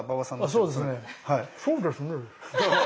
そうですね。